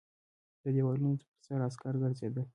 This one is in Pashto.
د دېوالونو پر سر عسکر ګرځېدل.